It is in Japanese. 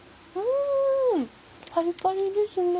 パリパリですね。